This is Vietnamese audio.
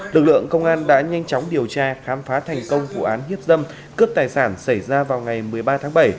lực lượng công an đã nhanh chóng điều tra khám phá thành công vụ án hiếp dâm cướp tài sản xảy ra vào ngày một mươi ba tháng bảy